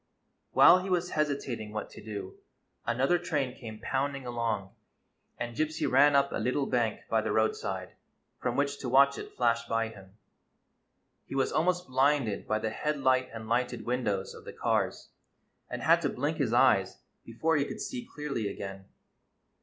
While he was hesitating what to do, another train came pounding along, and Gypsy ran up a little bank by the roadside, from which to watch it flash by him. He was almost blinded by the headlight and lighted windows of the cars, and had to blink his eyes before he could see clearly again.